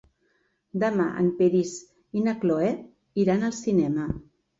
Demà en Peris i na Cloè iran al cinema.